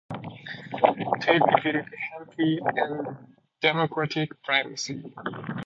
Tate defeated Hemphill in the Democratic primary.